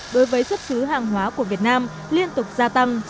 đối với xuất xứ hàng hóa của việt nam liên tục gia tăng